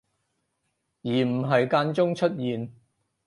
而唔係間中出現